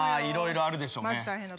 いろいろあるでしょうね。